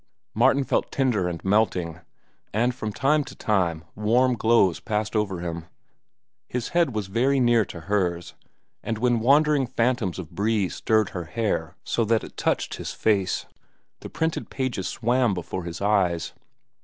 Martin felt tender and melting, and from time to time warm glows passed over him. His head was very near to hers, and when wandering phantoms of breeze stirred her hair so that it touched his face, the printed pages swam before his eyes.